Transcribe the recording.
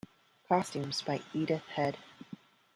Costumes by Edith Head.